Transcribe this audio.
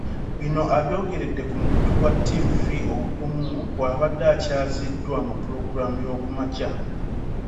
Bino abyogeredde ku mukutu gwa ttivvi ogumu bw'abadde akyaziddwa mu Pulogulaamu y'okumakya.